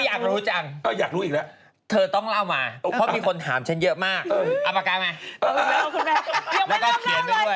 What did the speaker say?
ทุกคนนี่ไงนะนะครับจนได้มาเร่นละคร